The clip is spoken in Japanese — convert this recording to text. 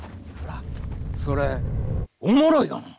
それおもろいがな。